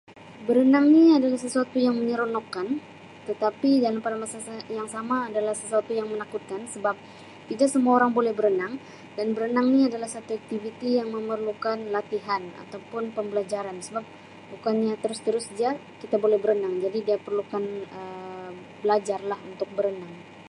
Berenang ni adalah sesuatu yang menyeronokkan tetapi dalam pada masa-masa yang sama adalah sesuatu yang menakutkan sebab tidak semua orang boleh berenang dan berenang ni adalah satu aktiviti yang memerlukan latihan ataupun pembelajaran sebab bukannya terus-terus ja kita boleh berenang jadi dia perlukan Um belajarlah untuk berenang.